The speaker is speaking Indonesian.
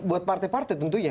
buat partai partai tentunya